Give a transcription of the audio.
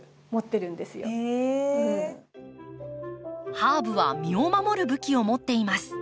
ハーブは身を守る武器を持っています。